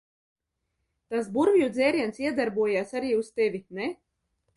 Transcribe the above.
Tas burvju dzēriens iedarbojās arī uz tevi, ne?